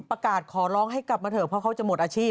ขอร้องให้กลับมาเถอะเพราะเขาจะหมดอาชีพ